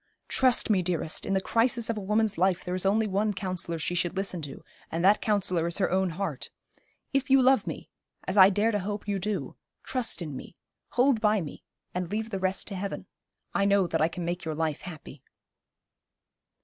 Trust me, dearest, in the crisis of a woman's life there is one only counsellor she should listen to, and that counsellor is her own heart. If you love me as I dare to hope you do trust in me, hold by me, and leave the rest to Heaven. I know that I can make your life happy.'